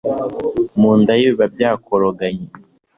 mu nda ye bibabyakoroganye